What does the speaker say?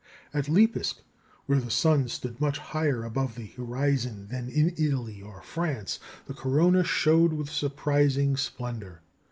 " At Lipeszk, where the sun stood much higher above the horizon than in Italy or France, the corona showed with surprising splendour.